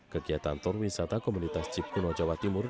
kegiatan tor wisata komunitas jeep kuno jawa timur